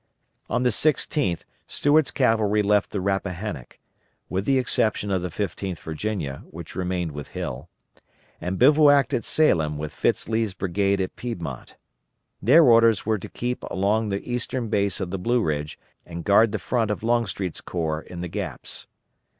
On the 16th Stuart's cavalry left the Rappahannock with the exception of the 15th Virginia, which remained with Hill and bivouacked at Salem with Fitz Lee's brigade at Piedmont. Their orders were to keep along the eastern base of the Blue Ridge, and guard the front of Longstreet's corps in the Gaps.